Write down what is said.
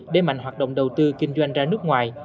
để mạnh hoạt động đầu tư kinh doanh ra nước ngoài